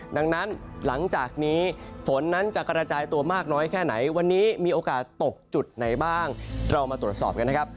ดังนั้นหลังจากนี้ฝนนั้นจะกระจายตัวมากน้อยแค่ไหนวันนี้มีโอกาสตกจุดไหนบ้างเรามาตรวจสอบกันนะครับ